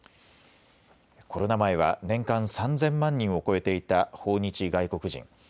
コロナ前は年間３０００万人を超えていた訪日外国人。